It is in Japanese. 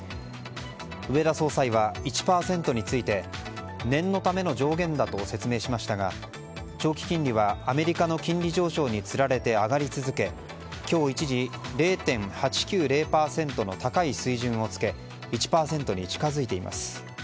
植田総裁は、１％について念のための上限だと説明しましたが、長期金利はアメリカの金利上昇につられて上がり続け、今日一時０．８９０％の高い水準をつけ１％に近づいています。